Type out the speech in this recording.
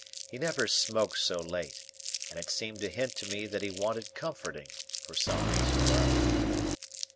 He never smoked so late, and it seemed to hint to me that he wanted comforting, for some reason or other.